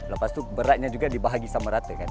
lepas itu beratnya juga dibahagi sama rate kan